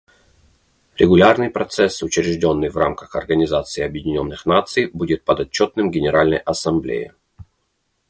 Регулярный процесс, учрежденный в рамках Организации Объединенных Наций, будет подотчетным Генеральной Ассамблее.